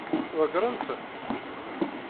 Ḍeggṛen-tent?